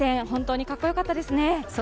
本当にかっこよかったですね。